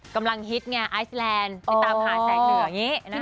ฮิตไงไอซแลนด์ไปตามหาแสงเหนืออย่างนี้